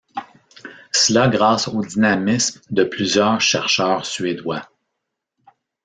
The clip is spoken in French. Cela grâce au dynamisme de plusieurs chercheurs suédois.